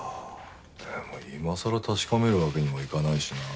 でも今さら確かめるわけにもいかないしな。